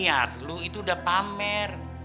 iya lu itu udah pamer